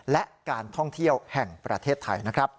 และการท่องเที่ยวแห่งประเทศไทยนะครับ